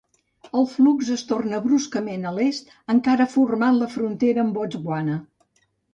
El flux es torna bruscament a l'est, encara formant la frontera amb Botswana.